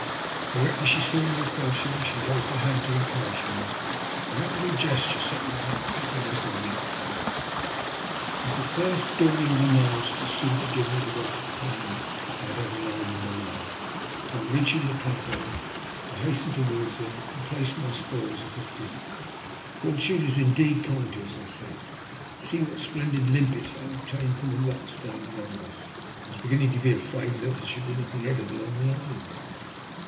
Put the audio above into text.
Directly she saw me approaching, she waved her hand to encourage me, and that little ges ture set my heart beating like a wheat flail. It was the first dawning of a knowledge that was soon to give me the greatest pain I had ever yet known in my life. On reaching the plateau, I hastened towards her and placed my spoils at her feet " Fortune is indeed kind to us," I said. "See what splendid limpets I have obtained from the rocks down yonder. I was beginning to be afraid lest there should be nothing edible on the island."